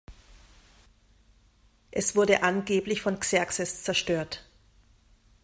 Es wurde angeblich von Xerxes zerstört.